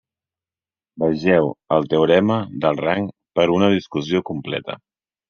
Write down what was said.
Vegeu el teorema del rang per una discussió completa.